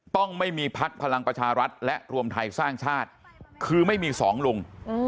ต้องไม่มีพักพลังประชารัฐและรวมไทยสร้างชาติคือไม่มีสองลุง